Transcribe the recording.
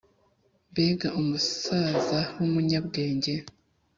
Mbega umusazawu munya bwenge